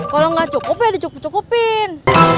kalau nggak cukup ya dicukup cukupin